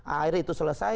akhirnya itu selesai